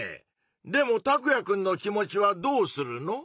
でもタクヤくんの気持ちはどうするの？